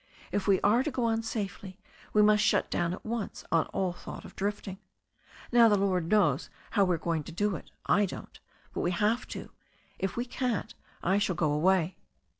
If we are to go on safely, we must shut down at once on all thought of drifting. Now the Lord knows how we are going to do it. I don't But we have to. If we can't, I shall go away."